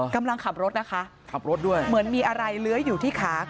กำลังขับรถนะคะขับรถด้วยเหมือนมีอะไรเลื้อยอยู่ที่ขา